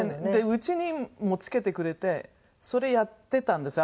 うちにも付けてくれてそれやってたんです。